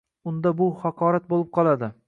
Unda bu haqorat bo‘lib qoladi.